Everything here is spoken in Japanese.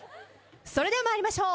それでは参りましょう。